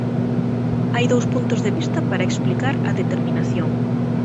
Hai dous puntos de vista para explicar a determinación.